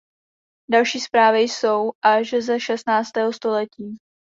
Další zprávy jsou až ze šestnáctého století.